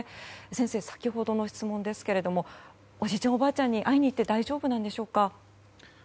先生、先ほどの質問ですがおじいちゃん、おばあちゃんに会いに行って大丈夫なんでしょうか。